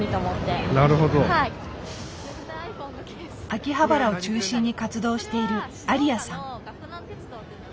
秋葉原を中心に活動しているありあさん。